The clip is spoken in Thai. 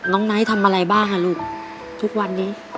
น้องไนท์ทำอะไรบ้างลูกทุกวันนี้